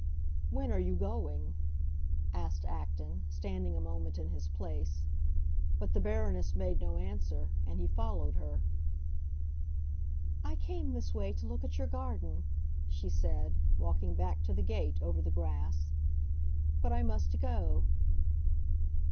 "When are you going?" asked Acton, standing a moment in his place. But the Baroness made no answer, and he followed her. "I came this way to look at your garden," she said, walking back to the gate, over the grass. "But I must go."